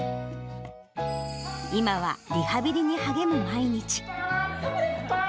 今はリハビリに励む毎日。